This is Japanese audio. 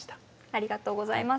ありがとうございます。